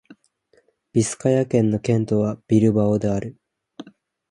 ビスカヤ県の県都はビルバオである